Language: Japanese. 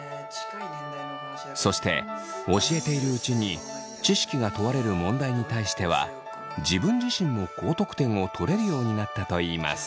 そして教えているうちに知識が問われる問題に対しては自分自身も高得点を取れるようになったといいます。